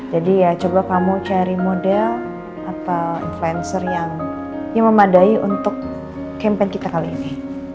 jadi ya coba kamu cari model atau influencer yang memadai untuk campaign kita kali ini